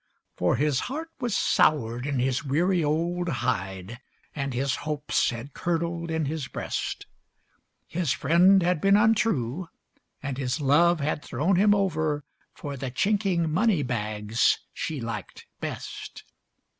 For his heart was soured in his weary old hide, And his hopes had curdled in his breast. His friend had been untrue, and his love had thrown him over For the chinking money bags she liked best.